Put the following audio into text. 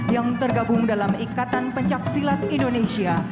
yang tergabung dalam ikatan pencaksilat indonesia